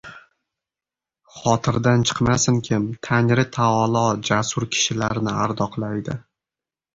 Xotirdan chiqmasinkim, Tangri taolo jasur kishilarni ardoqlaydi.